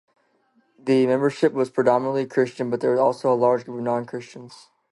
The membership was predominantly Christian, but there was also a large group of non-Christians.